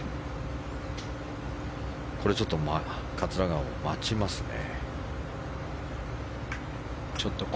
これはちょっと桂川も待ちますね。